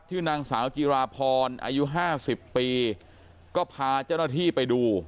ชื่อนางสาวจิราพรอายุห้าสิบปีก็พาเจ้าหน้าที่ไปดู